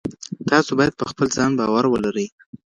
تاسو باید په خپل ځان باور ولرئ.